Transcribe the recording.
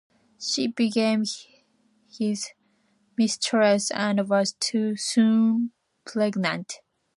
She became his mistress, and was soon pregnant.